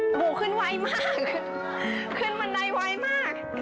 โอ้โหขึ้นไวมากขึ้นมันไดไวมาก